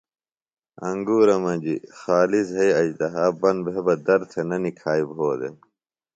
انگُورہ مجیۡ خالیۡ زھئیۡ اژدھا بند بھےۡ بہ در تھےۡ نہ نِکھائیۡ بُھو دےۡ